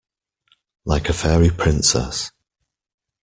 Like a fairy princess.